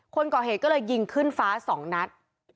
คนก่อเหตุก็เลยยิงขึ้นฟ้า๒นัด